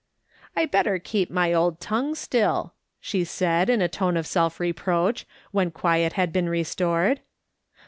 " I'd better keep my old tongue still," she said, in a tone of self reproach, when quiet had been restored.